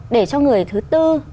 để cho người thứ tư